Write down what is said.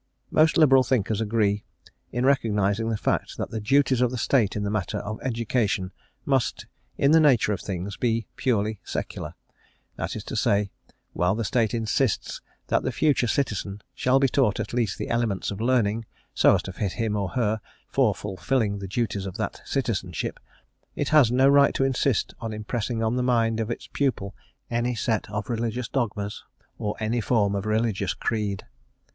Most liberal thinkers agree in recognizing the fact that the duties of the State in the matter of education must, in the nature of things, be purely "secular:" that is to say, that while the State insists that the future citizen shall be taught at least the elements of learning, so as to fit him or her for fulfilling the duties of that citizenship, it has no right to insist on impressing on the mind of its pupil any set of religious dogmas or any form of religious creed.